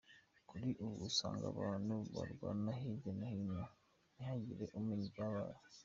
Kuri ubu usanga abantu barwana hirya no hino ntihagire umenya ibyabaye.